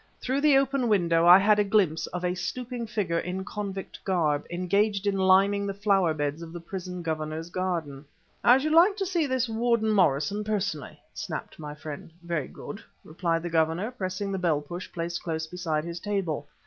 Through the open window I had a glimpse of a stooping figure in convict garb, engaged in liming the flower beds of the prison Governor's garden. "I should like to see this Warder Morrison personally," snapped my friend. "Very good," replied the Governor, pressing a bell push placed close beside his table.